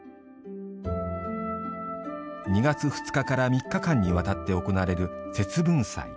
２月２日から３日間に渡って行われる節分祭。